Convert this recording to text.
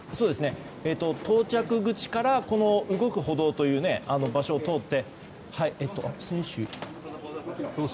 到着口から動く歩道という場所を通って。